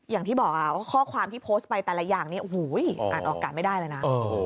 อย่างที่บอกข้อความที่โพสต์ไปแต่ละอย่างนี้โอ้โหอ่านออกการไม่ได้เลยนะ